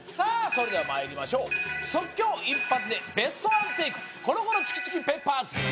それではまいりましょう即興一発でベストワンテイクコロコロチキチキペッパーズ最近